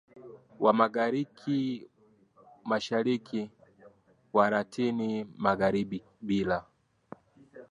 wa Wagiriki mashariki na Walatini magharibi bila